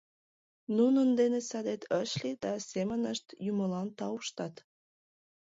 Нунын дене садет ыш лий да семынышт Юмылан тауштат...